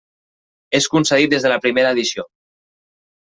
És concedit des de la primera edició.